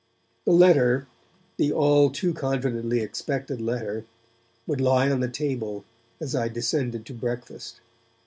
The letter, the only too confidently expected letter, would lie on the table as I descended to breakfast.